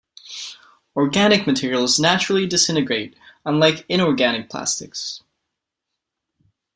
Organic materials naturally disintegrate unlike inorganic plastics.